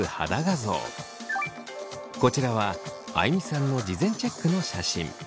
こちらはあいみさんの事前チェックの写真。